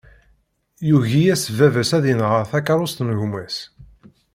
Yugi-yas baba-s ad inher takerrust n gma-s.